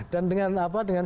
dan dengan apa dengan